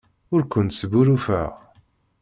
Ur kent-sbuṛṛufeɣ.